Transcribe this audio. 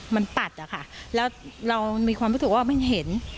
มันปัดอะค่ะแล้วเรามีความรู้สึกว่ามันเห็น